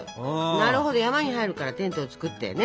なるほど山に入るからテントを作ってね。